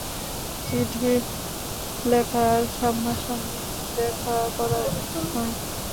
চিঠি লেখা আর, সামনাসামনি দেখা করা এক নয়।